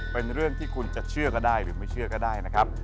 เป็นเรื่องที่คุณจะเชื่อก็ได้หรือไม่เชื่อก็ได้นะครับ